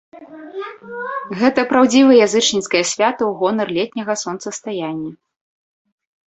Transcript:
Гэта праўдзіва язычніцкае свята ў гонар летняга сонцастаяння.